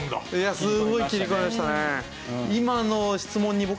すごい切り込みましたね。